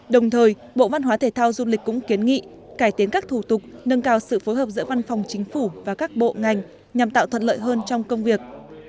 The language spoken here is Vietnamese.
đồng thời bộ văn hóa thể thao du lịch cũng kiến nghị cải tiến các thủ tục nâng cao sự phối hợp giữa văn phòng chính phủ và các bộ ngành nhằm tạo thuận lợi hơn trong công việc